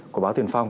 của báo tiền phòng